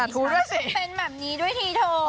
เป็นแบบนี้ด้วยทีโท